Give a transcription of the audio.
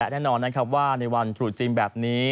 แน่นอนนะครับว่าในวันธุรกิจจริงแบบนี้